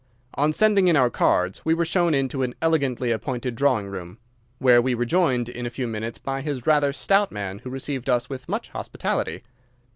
On sending in our cards we were shown into an elegantly appointed drawing room, where we were joined in a few minutes by a rather stout man who received us with much hospitality.